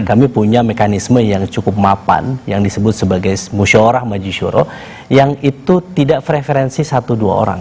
kami punya mekanisme yang cukup mapan yang disebut sebagai musyawarah majisyuro yang itu tidak preferensi satu dua orang